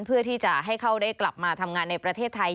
เพื่อที่จะให้เขาได้กลับมาทำงานในประเทศไทย